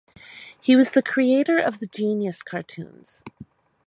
He was the creator of the "Genius" cartoons.